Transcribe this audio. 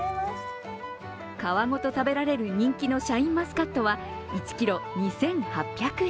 皮ごと食べられる人気のシャインマスカットは１ｋｇ２８００円。